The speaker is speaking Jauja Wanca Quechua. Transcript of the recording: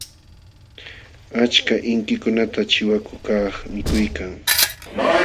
Achka inkikunata chiwakukaq mikuykan.